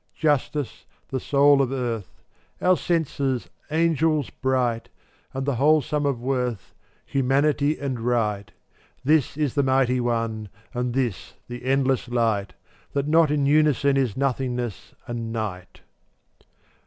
426 Justice — the soul of earth; Our senses — angels bright, And the whole sum of worth — Humanity and Right. This is the mighty One, And this the endless Light; That not in unison Is nothingness and night.